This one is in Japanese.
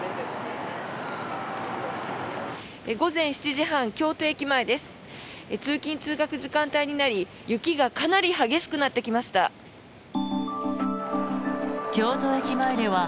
午前７時半京都駅前です。